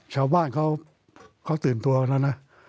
ชาวบ้านเขาตื่นตัวแล้วนะ